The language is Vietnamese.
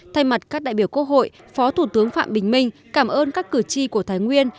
thay mặt các đại biểu quốc hội phó thủ tướng phạm bình minh cảm ơn các cử tri của thái nguyên